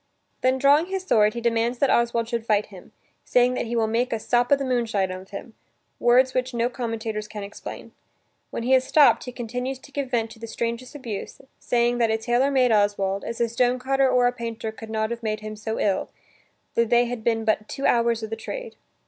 Then drawing his sword, he demands that Oswald should fight with him, saying that he will make a "sop o' the moonshine" of him, words which no commentators can explain. When he is stopped, he continues to give vent to the strangest abuse, saying that a tailor made Oswald, as "a stone cutter or a painter could not have made him so ill, tho they had been but two hours o' the trade!"